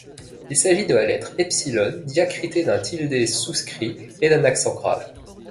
Il s’agit de la lettre epsilon diacritée d’un tilde souscrit et d’un accent grave.